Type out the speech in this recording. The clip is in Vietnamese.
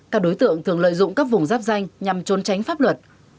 các đối tượng thường lợi dụng các vùng giáp danh nhằm trốn tránh pháp luật